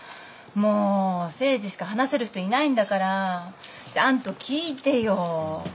もう誠治しか話せる人いないんだからちゃんと聞いてよ。